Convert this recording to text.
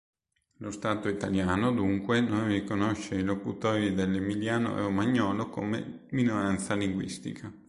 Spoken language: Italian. Lo Stato italiano dunque non riconosce i locutori dell'emiliano-romagnolo come minoranza linguistica.